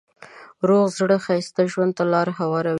روغ زړه ښایسته ژوند ته لاره هواروي.